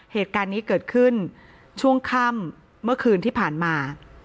เหตุการณ์นี้เกิดขึ้นช่วงค่ำเมื่อคืนที่ผ่านมา